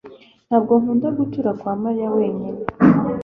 Ntabwo nkunda gutura kwa Mariya wenyine